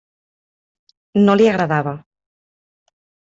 No li agradava.